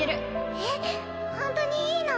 えっホントにいいの？